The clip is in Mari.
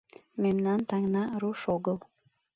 Мемнан таҥна руш огыл